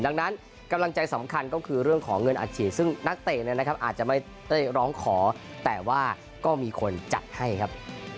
ดังนั้นกำลังใจสำคัญก็คือเรื่องของเงินอัดฉีดซึ่งนักเตะอาจจะไม่ได้ร้องขอแต่ว่าก็มีคนจัดให้ครับ